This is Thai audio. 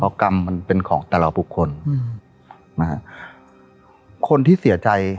เพราะกรรมมันเป็นของแต่ละบุคคลอืมนะฮะคนที่เสียใจ